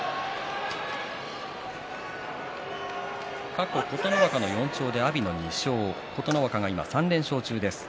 過去、琴ノ若の４勝で阿炎の２勝琴ノ若が３連勝中です。